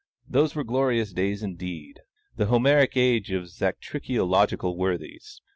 Those were glorious days, indeed, the Homeric age of zatrikiological worthies!